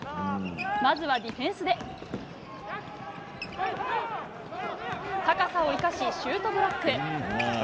まずはディフェンスで高さを生かしシュートブロック。